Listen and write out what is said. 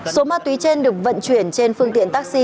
số ma túy trên được vận chuyển trên phương tiện taxi